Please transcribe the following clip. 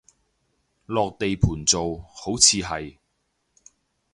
落地盤做，好似係